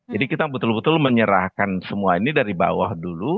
jadi kita betul betul menyerahkan semua ini dari bawah dulu